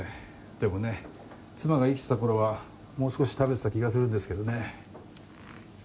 でもね妻が生きてたころはもう少し食べてた気がするんですけどね。